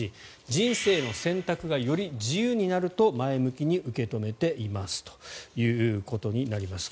人生の選択がより自由になると前向きに受け止めているということになります。